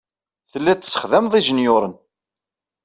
Tellid tessexdamed ijenyuṛen.